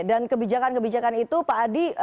dan kebijakan kebijakan itu pak adi